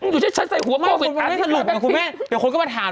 อยู่ที่ฉันใส่หัวโปรฟิตอ่านลิซ่าแบ็คพีทอ่านลิซ่าแบ็คพีทคุณไม่สรุปนะคุณแม่